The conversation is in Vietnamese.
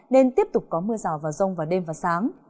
nên tiếp tục có mưa rào vào rông vào đêm và sáng